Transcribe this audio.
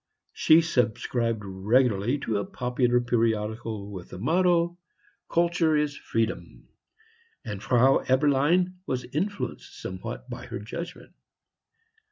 She subscribed regularly to a popular periodical with the motto, "Culture is freedom," and Frau Eberlein was influenced somewhat by her judgment.